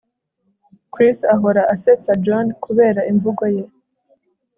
Chris ahora asetsa John kubera imvugo ye